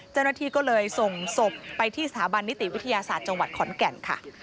เจ้าหน้าที่ก็เลยส่งศพไปที่สถาบันนิติวิทยาศาสตร์จังหวัดขอนแก่นค่ะ